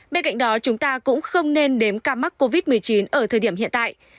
bên cạnh đó chúng ta cũng không nên đếm ca mắc covid một mươi chín ở thời điểm hiện tại